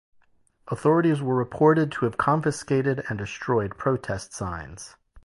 Authorities were reported to have confiscated and destroyed protest signs.